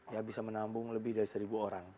ya bisa menampung lebih dari seribu orang